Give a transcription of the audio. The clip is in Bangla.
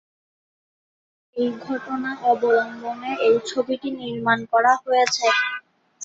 এই ঘটনা অবলম্বনে এই ছবিটি নির্মাণ করা হয়েছে।